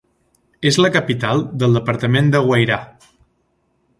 És la capital del departament de Guairá.